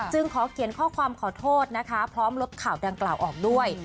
ขอเขียนข้อความขอโทษนะคะพร้อมลดข่าวดังกล่าวออกด้วย